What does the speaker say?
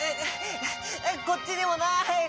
こっちにもない！